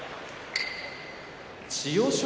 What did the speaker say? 千代翔